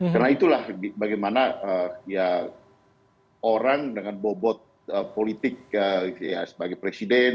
karena itulah bagaimana orang dengan bobot politik sebagai presiden